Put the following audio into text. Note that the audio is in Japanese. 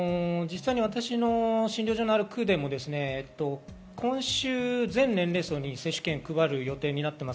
私の診療所のある区でも今週、全年齢層に接種券配る予定です。